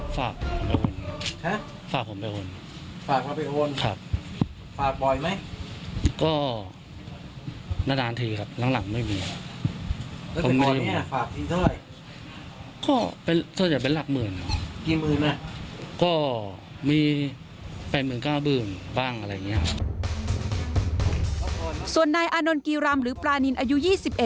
ส่วนนายอานนท์กีรามหรือปรานินอายุยี่สิบ